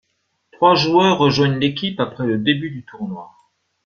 Trois joueurs rejoignent l'équipe après le début du tournoi.